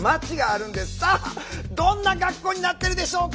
さあどんな学校になってるでしょうか？